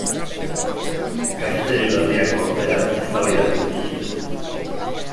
Kafetegi berriak, ordea, eztabaida piztu zuen.